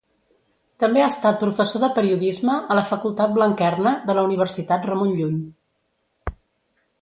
També ha estat professor de periodisme a la Facultat Blanquerna, de la Universitat Ramon Llull.